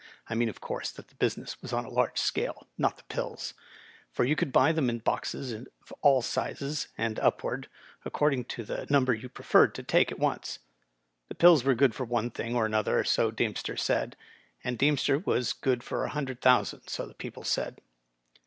I mean, of course, that the business was on a large scale, not the pills ; for you could buy them in boxes of all sizes and upward, according to the number you preferred to take at once. The pills were good for one thing or another^ so Deemster said; and Deemster was good for a hun* dred thousand, so the people said.